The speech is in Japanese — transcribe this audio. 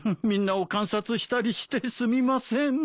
みんなを観察したりしてすみません。